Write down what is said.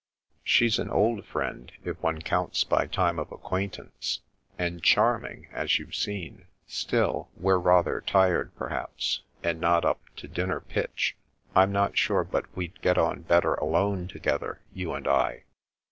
" She's an old friend, if one counts by time of ac quaintance, and charming, as you've seen; still, we're rather tired perhaps, and not up to dinner pitch. I'm not sure but we'd get on better alone together, you and I."